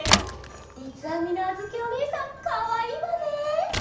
みつあみのあづきおねえさんかわいいわね。